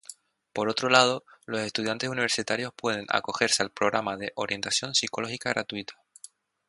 Por otro lado, los estudiantes universitarios pueden acogerse al Programa de Orientación Psicológica Gratuita.